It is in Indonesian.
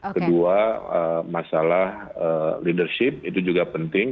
kedua masalah leadership itu juga penting